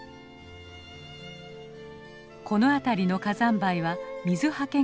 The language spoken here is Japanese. この辺りの火山灰は水はけが悪く